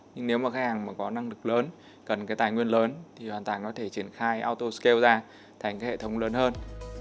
nhưng nếu mà khách hàng có năng lực lớn cần cái tài nguyên lớn thì hoàn toàn có thể triển khai autoscale ra thành cái hệ thống lớn hơn